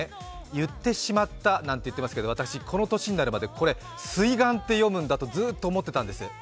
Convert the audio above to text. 言ってしまった、なんて言ってますけど、私、この年になるまでこれ「すいがん」って読むんだとずっと思っていたんです。